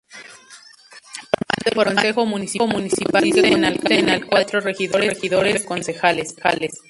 Formando el consejo municipal que consiste en alcalde, cuatro regidores, y nueve concejales.